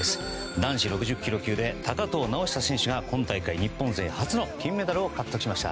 男子６０ｋｇ級で高藤直寿選手が今大会、日本勢で初の金メダルを獲得しました。